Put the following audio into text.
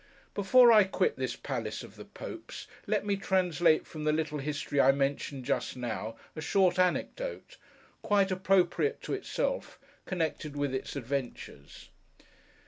Before I quit this Palace of the Popes, let me translate from the little history I mentioned just now, a short anecdote, quite appropriate to itself, connected with its adventures.